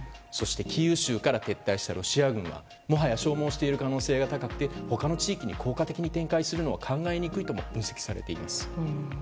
そしてキーウ州から撤退したロシア軍はもはや消耗している可能性が高くて他の地域に効果的に展開するのは考えにくいとも分析されています。